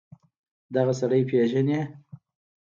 دغه سړى پېژنې.